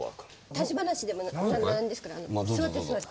立ち話も何ですから座って座って。